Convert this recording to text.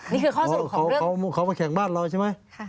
นี่คือข้อสรุปของเรื่องอ๋อเขามาแข่งบ้านเราใช่ไหม